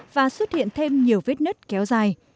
và xuất hiện thêm nhiều vết nứt kéo dài